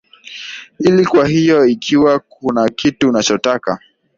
hili Kwa hiyo ikiwa kuna kitu unachotaka